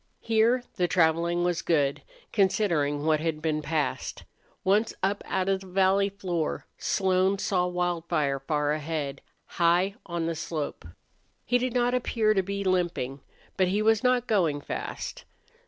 Here the traveling was good, considering what had been passed. Once up out of the valley floor Slone saw Wildfire far ahead, high on the slope. He did not appear to be limping, but he was not going fast.